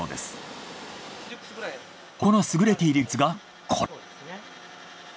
ここの優れている技術がこれ。